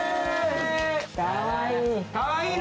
かわいい。